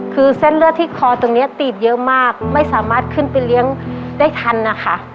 คือเส้นเลือดที่คอตรงนี้ตีดเยอะมากไม่สามารถขึ้นไปเลี้ยงได้ทันนะคะ